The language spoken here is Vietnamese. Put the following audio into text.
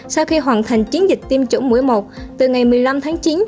sau khi hoàn thành chiến dịch tiêm chủng mũi một từ ngày một mươi năm tháng chín